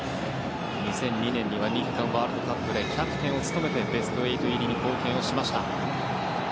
２００２年には日韓ワールドカップでキャプテンを務めてベスト８入りに貢献をしました。